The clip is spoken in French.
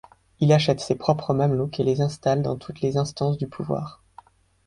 Il achète ses propres mamelouks et les installe dans toutes les instances du pouvoir.